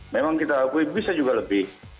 memang kita akui bisa juga lebih